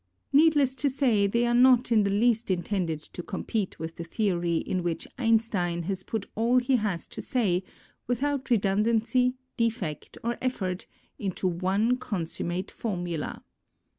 Need less to say, they are not in the least intended to compete with the theory in which E;nstein has put all he has to say, without redundancy, defect, or effort, into one consummate formula.